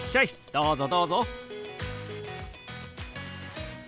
どうぞどうぞ。